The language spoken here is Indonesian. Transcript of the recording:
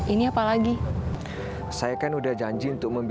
ini aku pengen pergi